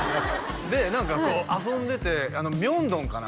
で何かこう遊んでてミョンドンかな？